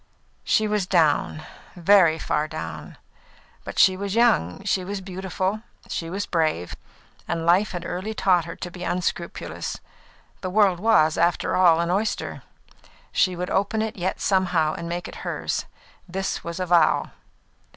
She was down very far down; but she was young, she was beautiful, she was brave, and life had early taught her to be unscrupulous. The world was, after all, an oyster; she would open it yet somehow and make it hers; this was a vow.